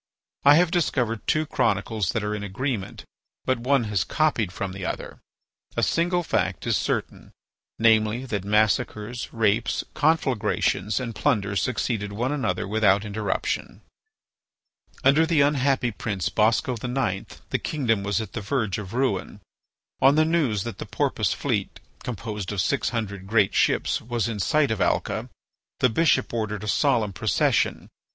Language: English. I have discovered two chronicles that are in agreement, but one has copied from the other. A single fact is certain, namely, that massacres, rapes, conflagrations, and plunder succeeded one another without interruption. Under the unhappy prince Bosco IX. the kingdom was at the verge of ruin. On the news that the Porpoise fleet, composed of six hundred great ships, was in sight of Alca, the bishop ordered a solemn procession.